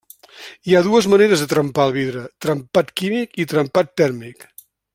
Hi ha dues maneres de trempar el vidre: trempat químic i trempat tèrmic.